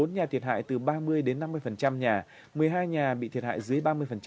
bốn nhà thiệt hại từ ba mươi đến năm mươi nhà một mươi hai nhà bị thiệt hại dưới ba mươi